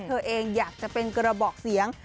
เธอเองอยากจะเป็นกระบอกเสียง